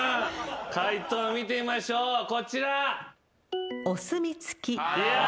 解答見てみましょうこちら。